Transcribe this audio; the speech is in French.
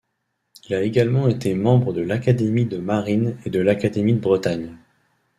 Il a également été membre de l'Académie de marine et de l'Académie de Bretagne.